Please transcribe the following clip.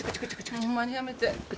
ホンマにやめて。